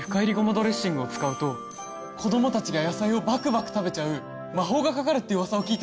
ドレッシングを使うと子供たちが野菜をバクバク食べちゃう魔法がかかるってウワサを聞いたんだ。